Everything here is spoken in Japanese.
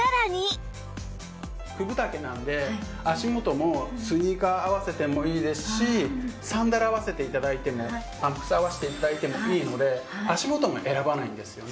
９分丈なんで足元もスニーカー合わせてもいいですしサンダル合わせて頂いてもパンプス合わせて頂いてもいいので足元も選ばないんですよね。